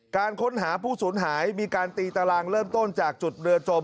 การค้นหาผู้สูญหายมีการตีตารางเริ่มต้นจากจุดเรือจม